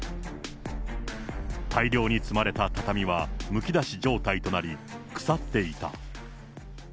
大量に積まれた畳はむき出し状態となり、腐っていた。